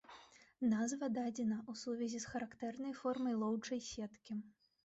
Назва дадзена ў сувязі з характэрнай формай лоўчай сеткі.